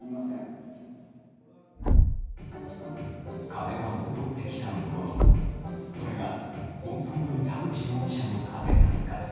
金は戻ってきたものの、それが本当に田口容疑者の金なのか。